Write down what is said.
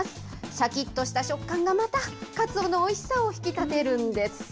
しゃきっとした食感がまたかつおのおいしさを引き立てるんです。